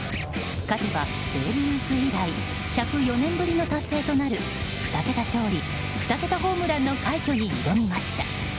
勝てばベーブ・ルース以来１０４年ぶりの達成となる２桁勝利２桁ホームランの快挙に挑みました。